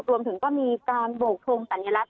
รวมถึงก็มีการโบกทงสัญลักษ